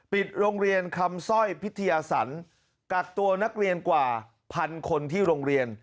ปิดโรงเรียนคำสร้อยพิทยาศรกักตัวนักเรียนกว่าพันคนที่โรงเรียน